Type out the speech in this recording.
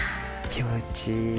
気持ちいい。